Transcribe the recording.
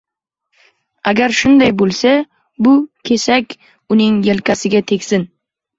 Agar shunday bo‘lsa, bu kesak uning yelkasiga tegsin!